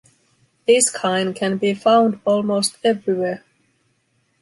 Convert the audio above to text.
This kind can be found almost everywhere.